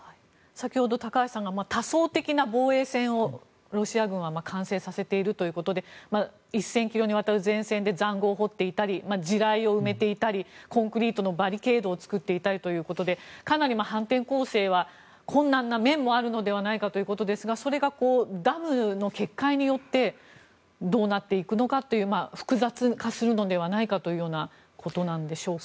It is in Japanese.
先ほど、高橋さんが多層的な防衛線をロシア軍は完成させているということで１０００ｋｍにわたる前線で塹壕を掘っていたり地雷を埋めていたりコンクリートのバリケードを作っていたりということでかなり反転攻勢は困難な面もあるのではないかということですがそれがダムの決壊によってどうなっていくのかという複雑化するのではないかということなんでしょうか。